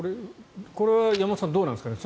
これは山本さんどうなんですかね。